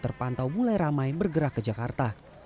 terpantau mulai ramai bergerak ke jakarta